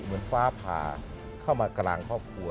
เหมือนฟ้าผ่าเข้ามากลางครอบครัว